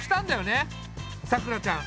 さくらちゃん